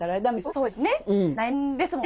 そうですね。